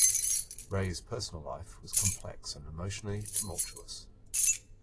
Raye's personal life was complex and emotionally tumultuous.